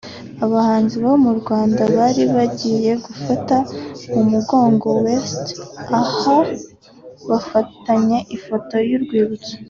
Abahanzi bo mu Rwanda bari bagiye gufata mu mugongo Weasel aha bafatanye ifoto y'urwibutso